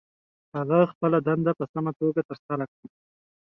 هغه خپله دنده په سمه توګه ترسره کړه.